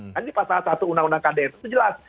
kan di pasal satu undang undang kdr itu jelas